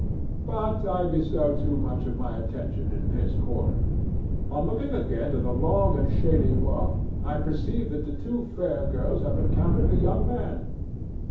But I bestow too much of my attention in this quarter. On looking again to the long and shady walk I perceive that the two fair girls have encountered the young man.